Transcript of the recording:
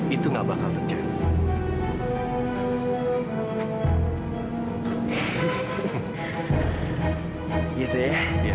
itu nggak bakal terjadi